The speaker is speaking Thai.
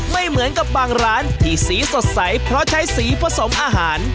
ไม่เหมือนกับบางร้านที่สีสดใสเพราะใช้สีผสมอาหาร